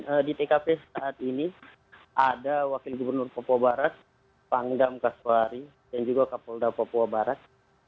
nah di tkp saat ini ada wakil gubernur papua barat pangdam kaswari dan juga kapolda papua barat